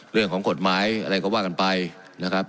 เรื่องของกฎหมายอะไรก็ว่ากันไปนะครับ